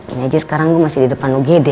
ini aja sekarang gue masih di depan lu gede